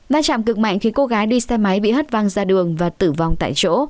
va chạm cực mạnh khiến cô gái đi xe máy bị hất văng ra đường và tử vong tại chỗ